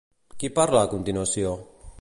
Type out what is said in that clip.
Qui parla a continuació?